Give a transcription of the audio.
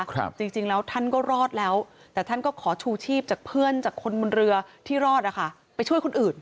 จริงจริงแล้วท่านก็รอดแล้วแต่ท่านก็ขอชูชีพจากเพื่อนจากคนบนเรือที่รอดอ่ะค่ะไปช่วยคนอื่น